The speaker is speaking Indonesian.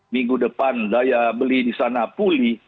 minggu depan daya beli di sana pulih